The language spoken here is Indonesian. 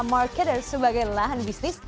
marketer sebagai lahan bisnis